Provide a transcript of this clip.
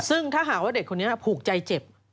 ซึ่งถ้าหากว่าเด็กคนนี้ผูกใจเจ็บ